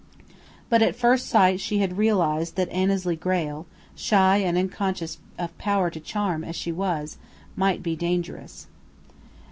But at first sight she had realized that Annesley Grayle, shy and unconscious of power to charm as she was, might be dangerous.